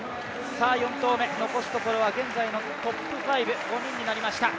４投目、残すところは現在のトップ５５人になりました。